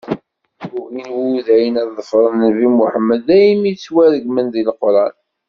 Ugin Wudayen ad ḍefren nnbi Muḥemmed, daymi ttwaregmen deg Leqran.